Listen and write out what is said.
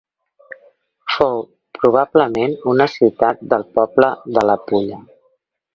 Fou probablement una ciutat del poble de la Pulla.